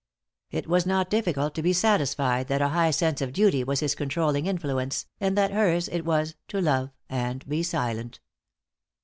It was not difficult to be satisfied that a high sense of duty was his controlling influence, and that hers it was "to love and be silent."